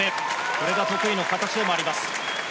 これが得意の形でもあります。